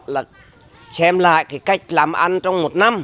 là xem lại cái cách làm ăn trong một năm